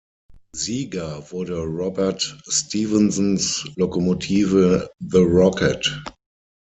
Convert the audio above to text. Sieger wurde Robert Stephensons Lokomotive The Rocket.